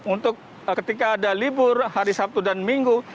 untuk ketika ada libur hari sabtu dan minggu